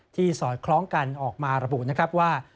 สอดคล้องกันออกมาระบุนะครับว่า